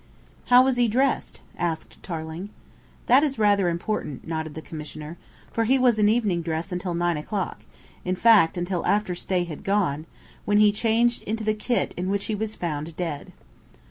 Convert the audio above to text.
"How was he dressed?" asked Tarling. "That is rather important," nodded the Commissioner. "For he was in evening dress until nine o'clock in fact, until after Stay had gone when he changed into the kit in which he was found dead."